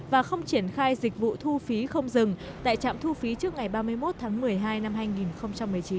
và không triển khai dịch vụ thu phí không dừng tại trạm thu phí trước ngày ba mươi một tháng một mươi hai năm hai nghìn một mươi chín